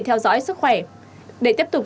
theo dõi sức khỏe để tiếp tục